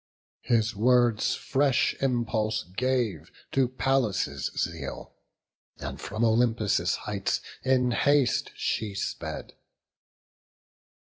His words fresh impulse gave to Pallas' zeal, And from Olympus' heights in haste she sped.